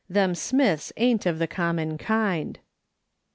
''THEM SMITHS AIN'T OF THE COMMON KIND.'